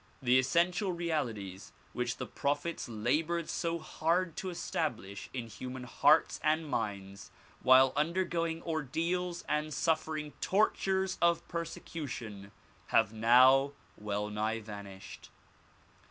The essential realities which the prophets labored so hard to establish in human hearts and minds while undergoing ordeals and suffering tortures of persecution, have now well nigh vanished.